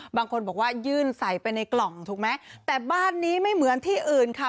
บางคนบอกว่ายื่นใส่ไปในกล่องถูกไหมแต่บ้านนี้ไม่เหมือนที่อื่นค่ะ